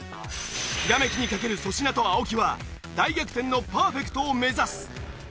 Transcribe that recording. ひらめきにかける粗品と青木は大逆転のパーフェクトを目指す！